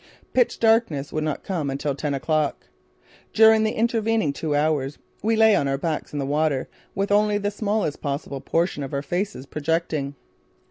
Pitch darkness would not come until ten o'clock. During the intervening two hours we lay on our backs in the water with only the smallest possible portion of our faces projecting.